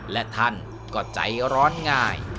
และท่านก็ใจร้อนง่าย